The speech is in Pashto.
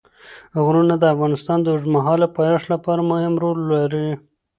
غرونه د افغانستان د اوږدمهاله پایښت لپاره مهم رول لري.